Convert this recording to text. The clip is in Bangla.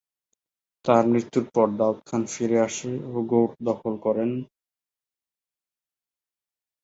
তার মৃত্যুর পর দাউদ খান ফিরে আসে ও গৌড় দখল করেন।